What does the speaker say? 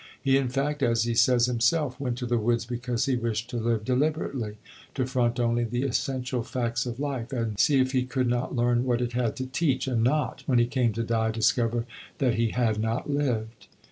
He, in fact, as he says himself, "Went to the woods because he wished to live deliberately, to front only the essential facts of life, and see if he could not learn what it had to teach, and not, when he came to die, discover that he had not lived."